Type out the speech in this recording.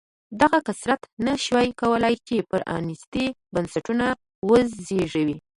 دغه کثرت نه شوای کولای چې پرانېستي بنسټونه وزېږوي.